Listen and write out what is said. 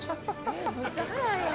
むっちゃ早いやん。